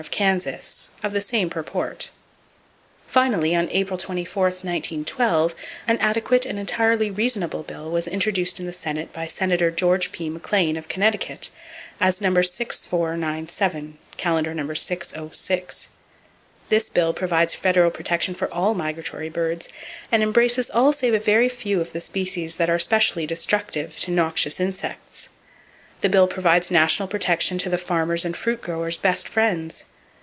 of Kansas, of the same purport. Finally, on April 24, 1912, an adequate and entirely reasonable bill was introduced in the Senate by Senator George P. McLean, of Connecticut, as No. 6497 (Calendar No. 606). This bill provides federal protection for all migratory birds, and embraces all save a very few of the species that are specially destructive to noxious insects. The bill provides national protection to the farmer's and fruit grower's best friends.